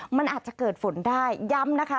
มันอาจจะเกิดฝนได้ย้ำนะคะ